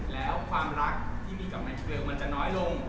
แต่ว่าความรักที่มีกับแมคโชว์มันจะน้อยลง